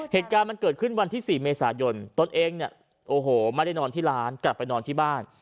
เหตุการณ์มันเกิดขึ้นวันที่๔เมษายนตนเองเนี่ยโอ้โหไม่ได้นอนที่ร้านกลับไปนอนที่บ้าน